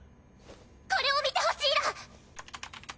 これを見てほしいら！